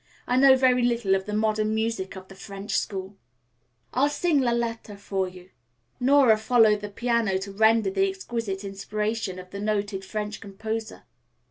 "I know very little of the modern music of the French school." "I'll sing 'La Lettre' for you." Nora faced the piano to render the exquisite inspiration of the noted French composer.